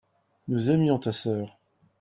nous aimions ta sœur.